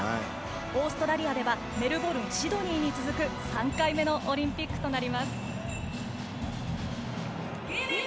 オーストラリアではメルボルン、シドニーに続く３回目のオリンピックとなります。